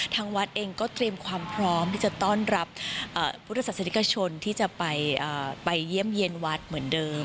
ทางวัดเองก็เตรียมความพร้อมที่จะต้อนรับพุทธศาสนิกชนที่จะไปเยี่ยมเยี่ยนวัดเหมือนเดิม